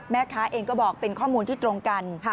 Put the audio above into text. แม่ค้าเองก็บอกเป็นข้อมูลที่ตรงกัน